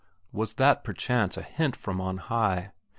Was that perchance a hint from on high?